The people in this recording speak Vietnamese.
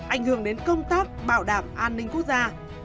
ảnh hưởng đến công tác bảo đảm an ninh quốc gia